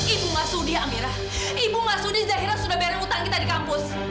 ibu enggak sudi amira ibu enggak sudi zahira sudah bayar hutang kita di kampus